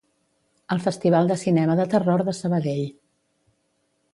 El Festival de Cinema de Terror de Sabadell.